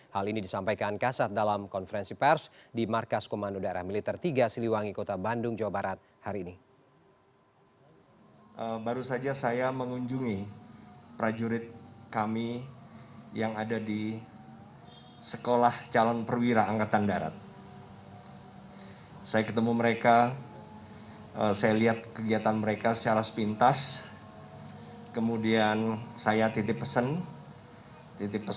hal ini disampaikan kasat dalam konferensi pers di markas komando daerah militer tiga siliwangi kota bandung jawa barat hari ini